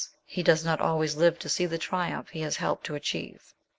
he does not always live to see the triumph he has helped to achieve.